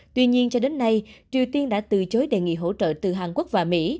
tuy nhiên cho đến nay triều tiên đã từ chối đề nghị hỗ trợ từ hàn quốc và mỹ